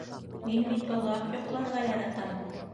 Мин бит оҙаҡ йоҡларға яратам.